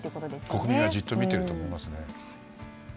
国民はじっと見ていると思います。